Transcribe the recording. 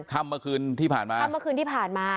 ค่ำเมื่อคืนที่ผ่านมาค่ำเมื่อคืนที่ผ่านมา